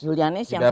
julianis yang satu